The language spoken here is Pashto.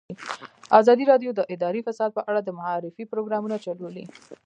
ازادي راډیو د اداري فساد په اړه د معارفې پروګرامونه چلولي.